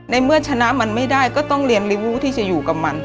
เมื่อชนะมันไม่ได้ก็ต้องเรียนริวูที่จะอยู่กับมัน